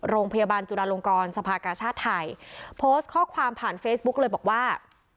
โรงพยาบาลจุฬาลงกรสภากาชาติไทยโพสต์ข้อความผ่านเฟซบุ๊กเลยบอกว่า